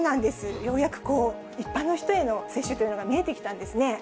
ようやく一般の人への接種というのが見えてきたんですね。